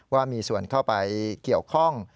ว่ามีส่วนเข้าไปเกี่ยวข้อง